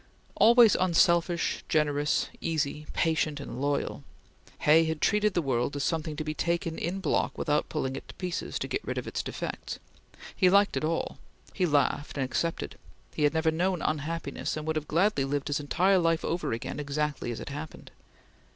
Always unselfish, generous, easy, patient, and loyal, Hay had treated the world as something to be taken in block without pulling it to pieces to get rid of its defects; he liked it all: he laughed and accepted; he had never known unhappiness and would have gladly lived his entire life over again exactly as it happened.